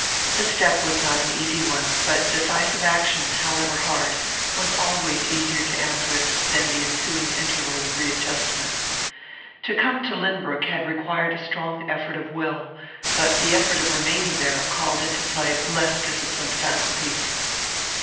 The step was not an easy one; but decisive action, however hard, was always easier to Amherst than the ensuing interval of readjustment. To come to Lynbrook had required a strong effort of will; but the effort of remaining there called into play less disciplined faculties.